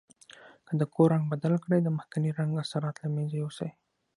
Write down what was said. که د کور رنګ بدل کړئ د مخکني رنګ اثرات له منځه یوسئ.